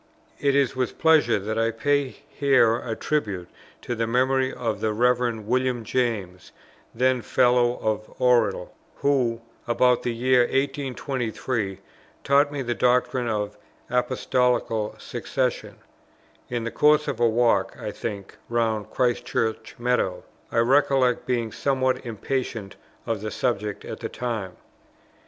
It is with pleasure that I pay here a tribute to the memory of the Rev. William James, then Fellow of Oriel; who, about the year 1823, taught me the doctrine of Apostolical Succession, in the course of a walk, I think, round Christ Church meadow; I recollect being somewhat impatient of the subject at the time.